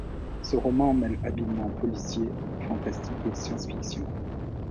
Ce roman mêle habilement policier, fantastique et science-fiction.